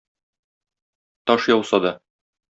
Таш яуса да.